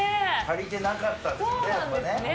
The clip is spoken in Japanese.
足りてなかったんですね。